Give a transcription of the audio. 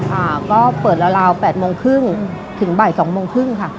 ค่ะก็เปิดละลาว๘โมงครึ่งถึงบ่าย๒โมงครึ่งค่ะ